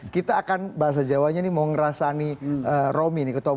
kita akan bahasa jawanya nih mau ngerasani romi nih